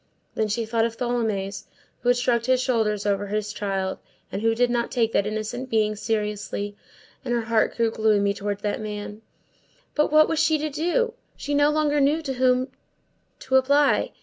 Then she thought of Tholomyès, who had shrugged his shoulders over his child, and who did not take that innocent being seriously; and her heart grew gloomy toward that man. But what was she to do? She no longer knew to whom to apply.